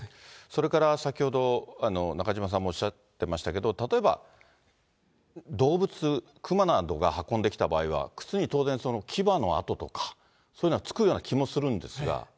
それから先ほど、中島さんもおっしゃってましたけど、例えば、動物、熊などが運んできた場合は、靴に当然、そのきばの跡とか、そういうのがつくような気もするんですが。